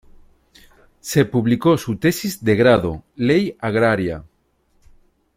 Se publicó su tesis de grado, Ley Agraria.